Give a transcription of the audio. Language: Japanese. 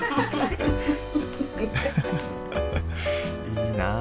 いいなあ。